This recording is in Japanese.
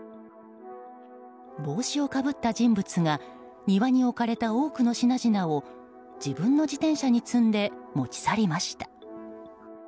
帽子をかぶった人物が庭に置かれた多くの品々を自分の自転車に積んで持ち去りました。